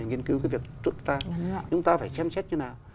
nghiên cứu cái việc chúng ta phải xem xét như thế nào